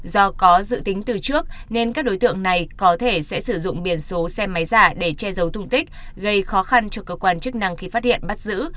do có dự tính từ trước nên các đối tượng này có thể sẽ sử dụng biển số xe máy giả để che giấu thùng tích gây khó khăn cho cơ quan chức năng khi phát hiện bắt giữ